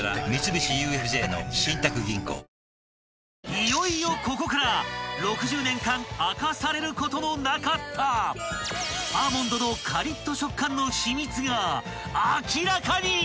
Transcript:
［いよいよここから６０年間明かされることのなかったアーモンドのカリッと］